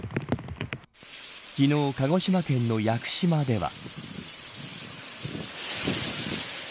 昨日、鹿児島県の屋久島では。